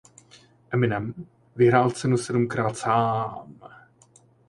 Eminem vyhrál cenu sedmkrát sám.